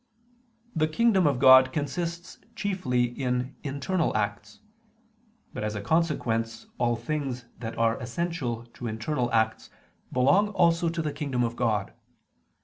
1: The kingdom of God consists chiefly in internal acts: but as a consequence all things that are essential to internal acts belong also to the kingdom of God.